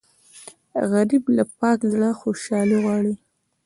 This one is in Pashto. غریب له پاک زړه خوشالي غواړي